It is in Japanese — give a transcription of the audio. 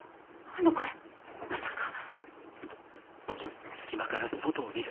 あの声まさか。